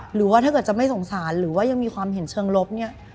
หรือว่าถ้าเกิดจะไม่สงสารหรือว่ายังมีความเห็นเชิงลบเนี่ย